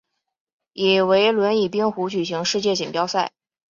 也为轮椅冰壶举行世界锦标赛。